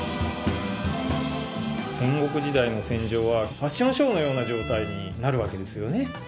戦国時代の戦場はファッションショーのような状態になる訳ですよね。